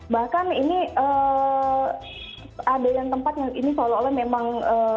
bahkan ini ada yang tempat yang ini seolah olah memang